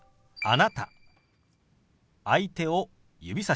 「あなた」。